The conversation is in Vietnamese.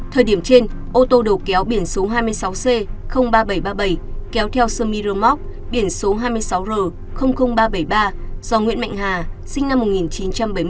thời điểm trên ô tô đầu kéo biển số hai mươi sáu c ba nghìn bảy trăm ba mươi bảy kéo theo sân miramont biển số hai mươi sáu r ba trăm bảy mươi ba do nguyễn mạnh hà sinh năm một nghìn chín trăm bảy mươi chín